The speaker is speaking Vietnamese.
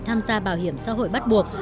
tham gia bảo hiểm xã hội bắt buộc